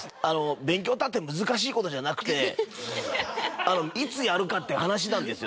勉強っていったって難しい事じゃなくていつやるかって話なんですよ。